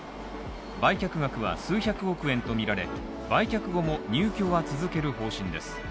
売却額は数百億円とみられ売却後も入居は続ける方針です。